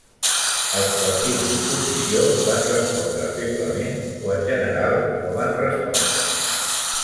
Els partits d'oposició van respondre feblement o en general no van respondre.